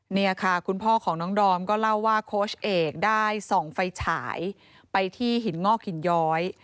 นี่ค่ะคุณพ่อของน้องดอมก็เล่าว่าโค้ชเอกได้ส่องไฟฉายไปที่หินงอกหินย้อย